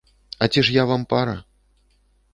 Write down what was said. А ці ж я вам пара?